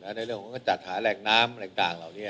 ในเรื่องของการจัดหาแหล่งน้ำอะไรต่างเหล่านี้